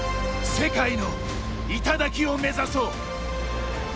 世界の頂を目指そう！